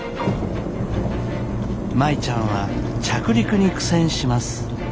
舞ちゃんは着陸に苦戦します。